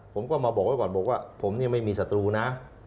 ผมก็มาบอกไว้ก่อนบอกว่าผมเนี่ยไม่มีศัตรูนะ